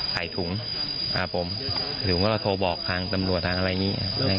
ใส่ถุงถือหรือว่าโทรบอกทางตำรวจทางอะไรนี้